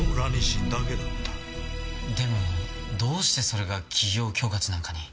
でもどうしてそれが企業恐喝なんかに？